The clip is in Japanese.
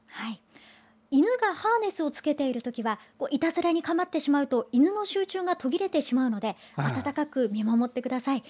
犬がハーネスを着けているときはいたずらにかまってしまうと犬の集中が途切れてしまうので温かく見守ってください。